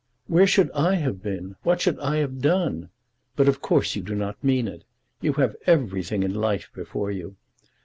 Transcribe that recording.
"Where should I have been? What should I have done? But of course you do not mean it. You have everything in life before you.